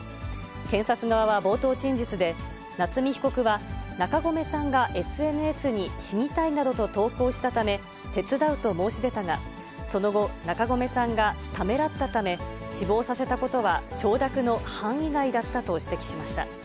検察側は冒頭陳述で、夏見被告は中込さんがＳＮＳに死にたいなどと投稿したため、手伝うと申し出たが、その後、中込さんがためらったため、死亡させたことは承諾の範囲外だったと指摘しました。